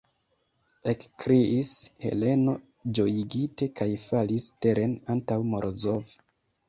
ekkriis Heleno ĝojigite kaj falis teren antaŭ Morozov.